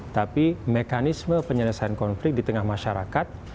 tapi mekanisme penyelesaian konflik di tengah masyarakat